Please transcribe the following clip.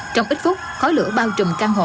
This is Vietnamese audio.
trong ít phút khói lửa bao trùm căn hộ